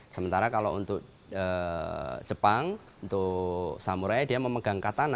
sementara kalau untuk jepang untuk samurai dia memegang katana